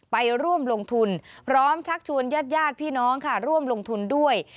พร้อมชักชวนญาติพี่น้องค่ะร่วมลงทุนด้วย